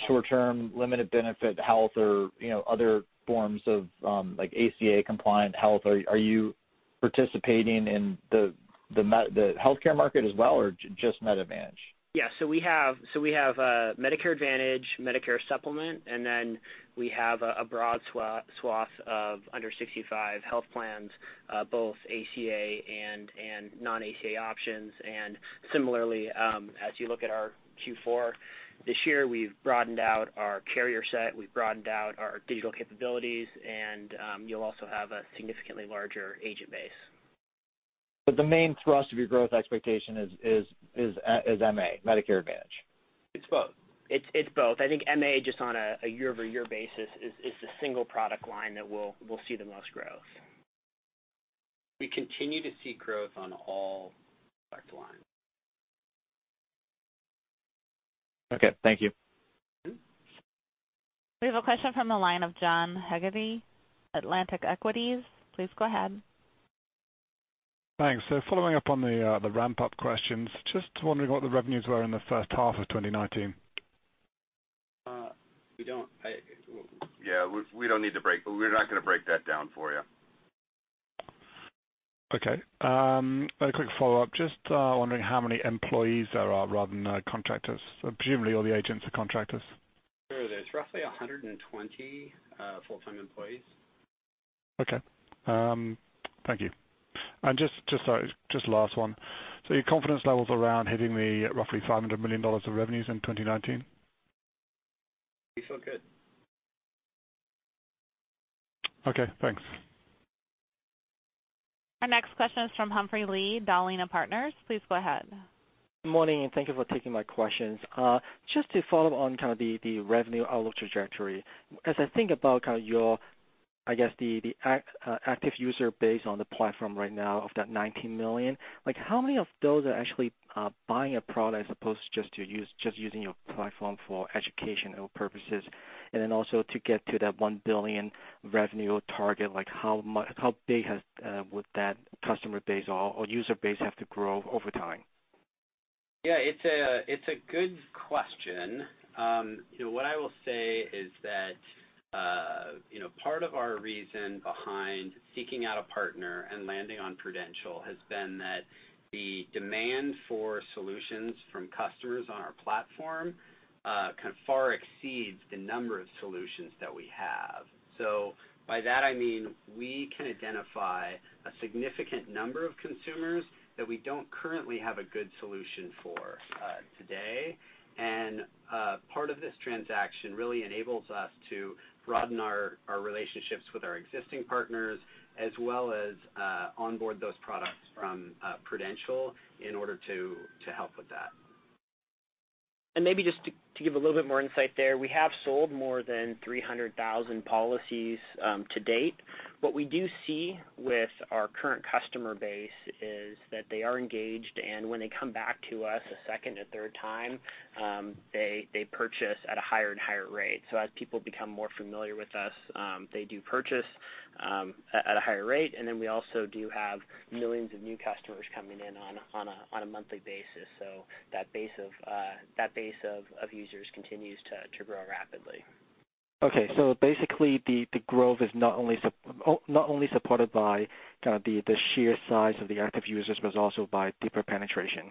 S16: short-term limited benefit health or other forms of ACA-compliant health? Are you participating in the healthcare market as well, or just Med Advantage?
S10: We have Medicare Advantage, Medicare Supplement, and we have a broad swath of under 65 health plans, both ACA and non-ACA options. Similarly, as you look at our Q4 this year, we've broadened out our carrier set, we've broadened out our digital capabilities, and you'll also have a significantly larger agent base.
S16: The main thrust of your growth expectation is MA, Medicare Advantage.
S4: It's both.
S10: It's both. I think MA, just on a year-over-year basis, is the single product line that will see the most growth.
S4: We continue to see growth on all product lines.
S16: Okay. Thank you.
S1: We have a question from the line of John Heagerty, Atlantic Equities. Please go ahead.
S17: Thanks. Following up on the ramp-up questions, just wondering what the revenues were in the first half of 2019.
S5: We don't.
S3: Yeah. We're not going to break that down for you.
S17: Okay. A quick follow-up. Just wondering how many employees there are rather than contractors. Presumably, all the agents are contractors.
S5: Sure. There's roughly 120 full-time employees.
S17: Okay. Thank you. Just last one. Your confidence levels around hitting the roughly $500 million of revenues in 2019?
S5: We feel good.
S17: Okay, thanks.
S1: Our next question is from Humphrey Lee, Dowling & Partners. Please go ahead.
S18: Morning, and thank you for taking my questions. Just to follow on kind of the revenue outlook trajectory. As I think about kind of your, I guess, the active user base on the platform right now of that 19 million, how many of those are actually buying a product as opposed to just using your platform for educational purposes? Then also to get to that $1 billion revenue target, how big would that customer base or user base have to grow over time?
S5: Yeah. It's a good question. What I will say is that part of our reason behind seeking out a partner and landing on Prudential has been that the demand for solutions from customers on our platform kind of far exceeds the number of solutions that we have. By that I mean we can identify a significant number of consumers that we don't currently have a good solution for today. Part of this transaction really enables us to broaden our relationships with our existing partners, as well as onboard those products from Prudential in order to help with that.
S10: Maybe just to give a little bit more insight there, we have sold more than 300,000 policies to date. What we do see with our current customer base is that they are engaged, and when they come back to us a second or third time, they purchase at a higher and higher rate. As people become more familiar with us, they do purchase at a higher rate. We also do have millions of new customers coming in on a monthly basis. That base of users continues to grow rapidly.
S18: Okay. Basically, the growth is not only supported by kind of the sheer size of the active users, but it's also by deeper penetration.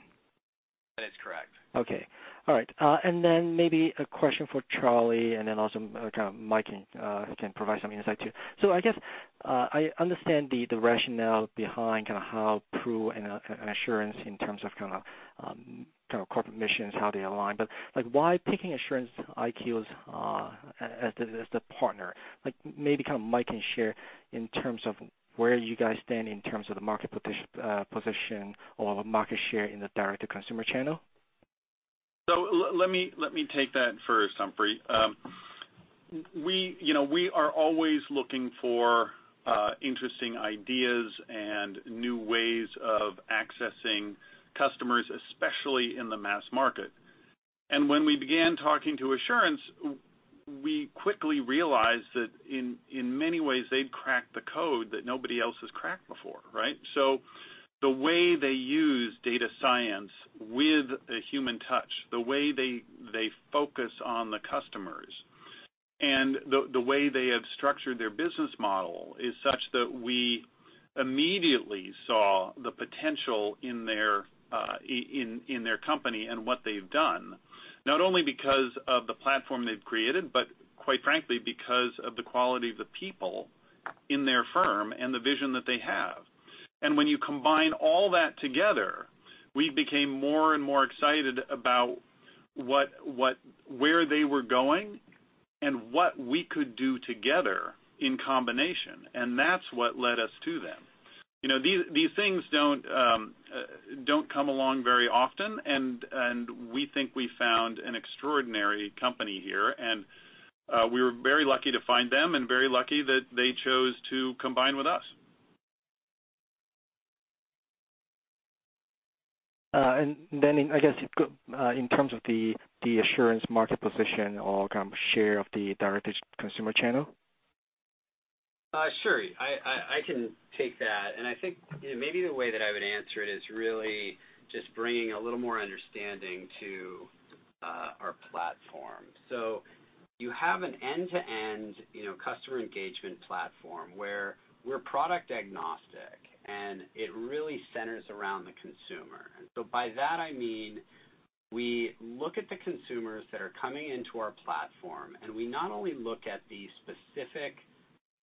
S5: That is correct.
S18: Okay. All right. Maybe a question for Charlie, also Mike can provide some insight too. I guess I understand the rationale behind how Pru and Assurance in terms of kind of corporate missions, how they align. Why picking Assurance IQ as the partner? Maybe Mike can share in terms of where you guys stand in terms of the market position or market share in the direct-to-consumer channel.
S3: Let me take that first, Humphrey. We are always looking for interesting ideas and new ways of accessing customers, especially in the mass market. When we began talking to Assurance, we quickly realized that in many ways, they'd cracked the code that nobody else has cracked before, right? The way they use data science with a human touch, the way they focus on the customers, and the way they have structured their business model is such that we immediately saw the potential in their company and what they've done, not only because of the platform they've created, but quite frankly, because of the quality of the people in their firm and the vision that they have. When you combine all that together, we became more and more excited about where they were going and what we could do together in combination. That's what led us to them. These things don't come along very often, and we think we found an extraordinary company here. We were very lucky to find them and very lucky that they chose to combine with us.
S18: I guess, in terms of the Assurance market position or kind of share of the direct-to-consumer channel?
S5: Sure. I can take that. I think maybe the way that I would answer it is really just bringing a little more understanding to our platform. You have an end-to-end customer engagement platform where we're product agnostic, and it really centers around the consumer. By that I mean we look at the consumers that are coming into our platform, and we not only look at the specific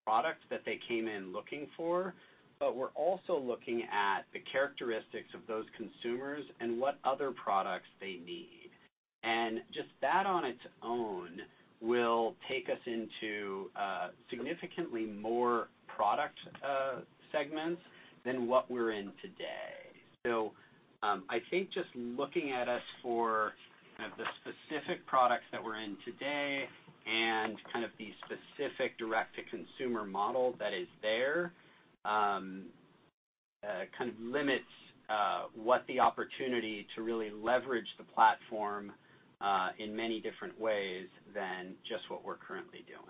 S5: product that they came in looking for, but we're also looking at the characteristics of those consumers and what other products they need. Just that on its own will take us into significantly more product segments than what we're in today. I think just looking at us for kind of the specific products that we're in today and kind of the specific direct-to-consumer model that is there kind of limits what the opportunity to really leverage the platform in many different ways than just what we're currently doing.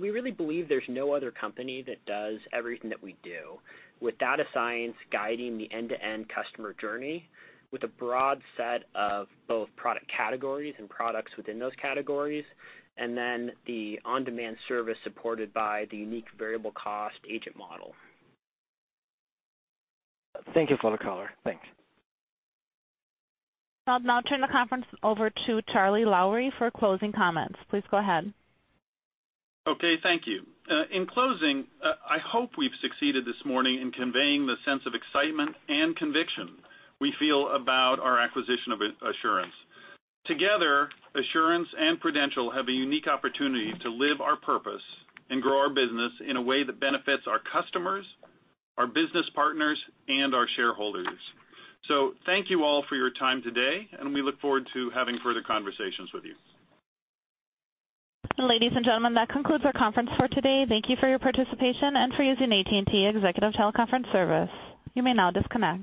S10: We really believe there's no other company that does everything that we do with data science guiding the end-to-end customer journey with a broad set of both product categories and products within those categories, and then the on-demand service supported by the unique variable cost agent model.
S18: Thank you. Follow caller. Thanks.
S1: I'll now turn the conference over to Charlie Lowrey for closing comments. Please go ahead.
S3: Okay, thank you. In closing, I hope we've succeeded this morning in conveying the sense of excitement and conviction we feel about our acquisition of Assurance. Together, Assurance and Prudential have a unique opportunity to live our purpose and grow our business in a way that benefits our customers, our business partners, and our shareholders. Thank you all for your time today, and we look forward to having further conversations with you.
S1: Ladies and gentlemen, that concludes our conference for today. Thank you for your participation and for using AT&T Executive Teleconference Service. You may now disconnect.